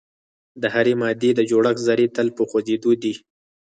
د هرې مادې د جوړښت ذرې تل په خوځیدو دي.